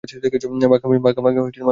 ভাগাভাগি করে নে।